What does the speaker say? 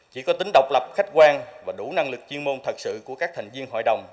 chỉ có tính độc lập khách quan và đủ năng lực chuyên môn thật sự của các thành viên hội đồng